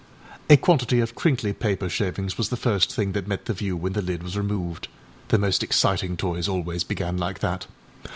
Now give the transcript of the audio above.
â A quantity of crinkly paper shavings was the first thing that met the view when the lid was removed; the most exiting toys always began like that.